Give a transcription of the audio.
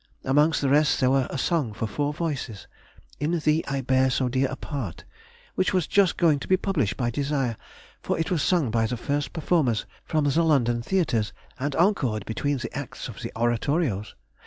Among the rest there was a song for four voices, "In thee I bear so dear a part," which was just going to be published by desire, for it was sung by the first performers from the London theatres, and encored, between the acts of the oratorios.